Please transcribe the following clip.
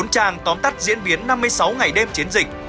bốn trang tóm tắt diễn biến năm mươi sáu ngày đêm chiến dịch